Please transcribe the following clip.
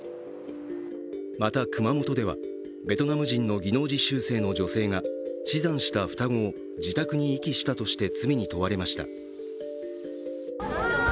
また、熊本ではベトナム人の技能実習生の女性が死産した双子を自宅に遺棄したとして罪に問われました。